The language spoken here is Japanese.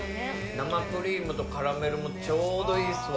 生クリームとカラメルもちょうどいいですわ。